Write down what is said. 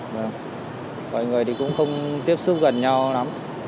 mọi người cũng không tiếp xúc gần nhau lắm